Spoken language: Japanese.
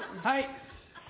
はい。